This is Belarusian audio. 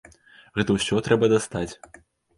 Гэта ўсё трэба дастаць.